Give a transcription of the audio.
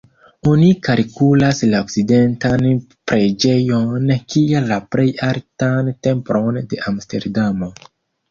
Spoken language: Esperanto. Oni kalkulas la Okcidentan preĝejon kiel la plej altan templon de Amsterdamo.